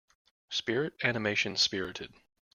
Spirit animation Spirited.